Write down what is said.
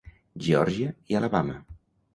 Geòrgia i Alabama.